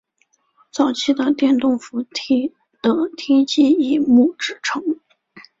早期的电动扶梯的梯级以木制成。